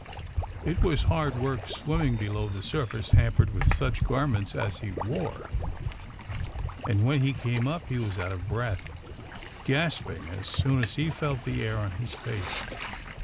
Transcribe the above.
It was hard work swimming below the surface hampered with such garments as he wore, and when he came up he was out of breath, gasping as soon as he felt the air on his face.